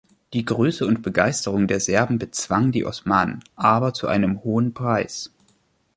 Die Größe und Begeisterung der Serben bezwang die Osmanen, aber zu einem hohen Preis.